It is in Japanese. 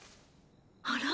あら？